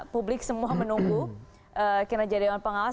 publik semua menunggu kena jadi dewan pengawas